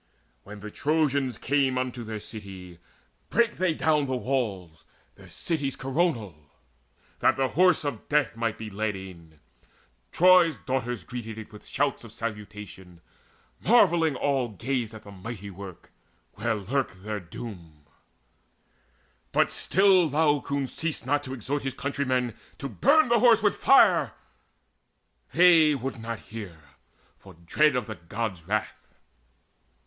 When the Trojans came Unto their city, brake they down the walls, Their city's coronal, that the Horse of Death Might be led in. Troy's daughters greeted it With shouts of salutation; marvelling all Gazed at the mighty work where lurked their doom. But still Laocoon ceased not to exhort His countrymen to burn the Horse with fire: They would not hear, for dread of the Gods' wrath.